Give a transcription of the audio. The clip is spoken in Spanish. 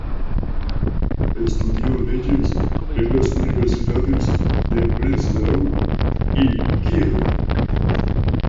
Estudió leyes en las universidades de Breslau y Kiel.